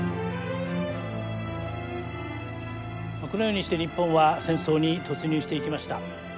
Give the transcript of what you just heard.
このようにして日本は戦争に突入していきました。